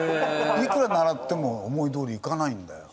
いくら習っても思いどおりいかないんだよ。